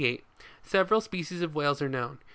Several species of Whales are known.